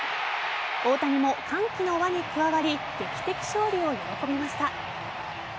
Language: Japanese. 大谷も歓喜の輪に加わり劇的勝利を喜びました。